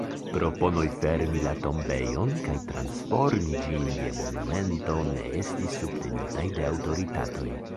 Proponoj fermi la tombejon kaj transformi ĝin je monumento ne estis subtenitaj de aŭtoritatoj.